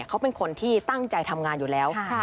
เขาเป็นคนที่ตั้งใจทำงานอยู่แล้ว